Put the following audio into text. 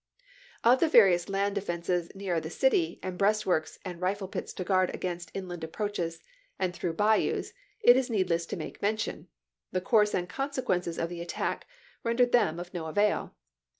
Of the various land defenses nearer the city, and breastworks and rifle pits to guard against inland approaches and through bayous, it is needless to make mention ; the course and consequences of the attack rendered them of no avail.